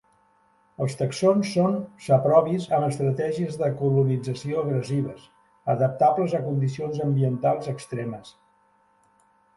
Els tàxons són saprobis amb estratègies de colonització agressives, adaptables a condicions ambientals extremes.